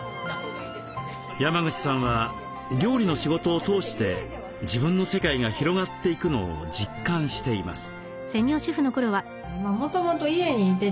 山口さんは料理の仕事を通して自分の世界が広がっていくのを実感しています。